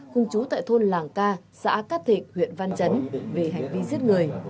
cùng chú tại thôn làng ca xã cát thịnh huyện văn chấn về hành vi giết người